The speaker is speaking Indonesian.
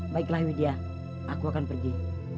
baiklah widya aku akan pergi